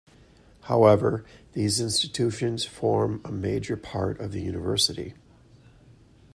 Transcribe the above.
However, these institutions form a major part of the University.